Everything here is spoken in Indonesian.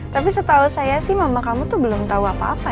tapi setahu saya sih mama kamu tuh belum tahu apa apa